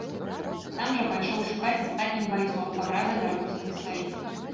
Сам жа пайшоў шукаць астатніх байцоў, каб разам вярнуцца да сваіх.